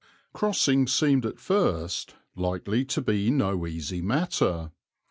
Crossing seemed at first likely to be no easy matter.